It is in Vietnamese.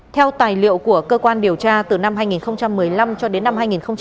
theo tài liệu của cơ quan điều tra từ năm hai nghìn một mươi năm cho đến năm hai nghìn một mươi chín